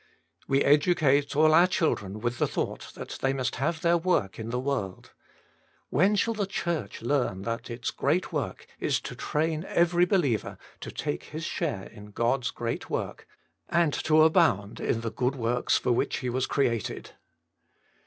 We educate all our children with the thought that they must have their work in the world: when shall the Cliurch learn that its great work is to train every believer to take his share in God's great work, and to abound in the good works for which he was created?